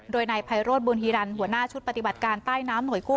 โดยนายไพโรธบุญฮีรันหัวหน้าชุดปฏิบัติการใต้น้ำหน่วยกู้